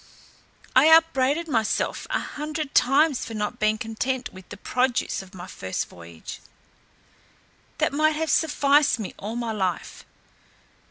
I upbraided myself a hundred times for not being content with the produce of my first voyage, that might have sufficed me all my life.